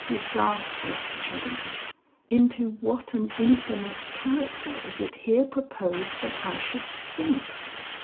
Disastrous change! Into what an infamous character is it here proposed that I should sink?